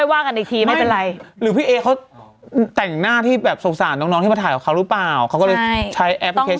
วันนึงนักไม่ค่อยหนอนอะเมฤร์รู้ไม้